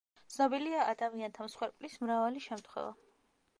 ცნობილია ადამიანთა მსხვერპლის მრავალი შემთხვევა.